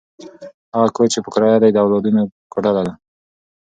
هغه کور چې په کرایه دی، د اولادونو کوډله ده.